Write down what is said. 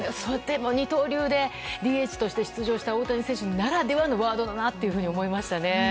二刀流でＤＨとして出場した大谷選手ならではのワードだなって思いました。